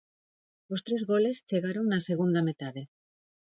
Os tres goles chegaron na segunda metade.